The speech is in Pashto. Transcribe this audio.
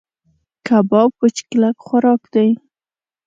کباب وچ کلک خوراک دی.